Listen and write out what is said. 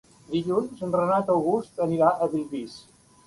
Dilluns en Renat August anirà a Bellvís.